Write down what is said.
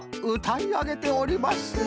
うたいあげております。